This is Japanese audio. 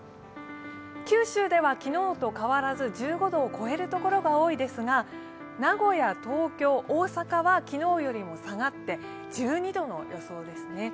九州では昨日と変わらず１５度を超えるところが多いですが、名古屋、東京、大阪は昨日よりも下がって１２度の予想ですね。